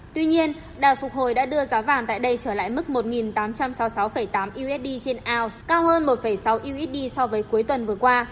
tuy nhiên đà phục hồi đã đưa giá vàng tại đây trở lại mức một tám trăm sáu mươi sáu tám usd trên ounce cao hơn một sáu usd so với cuối tuần vừa qua